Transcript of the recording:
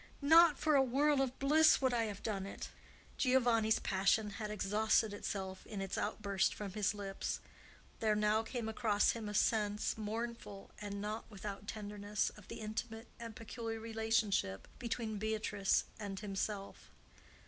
Not for a world of bliss would I have done it." Giovanni's passion had exhausted itself in its outburst from his lips. There now came across him a sense, mournful, and not without tenderness, of the intimate and peculiar relationship between Beatrice and himself.